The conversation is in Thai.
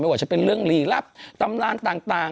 ว่าจะเป็นเรื่องลีลับตำนานต่าง